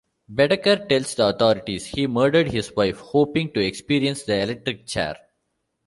Bedeker tells the authorities he murdered his wife, hoping to experience the electric chair.